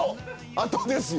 あとですよ